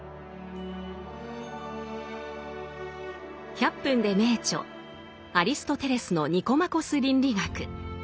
「１００分ｄｅ名著」アリストテレスの「ニコマコス倫理学」。